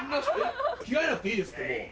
着替えなくていいですってもう。